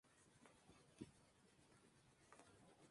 Sus municipios costeros conforman la Costa del Sol Oriental.